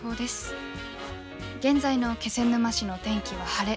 現在の気仙沼市の天気は晴れ。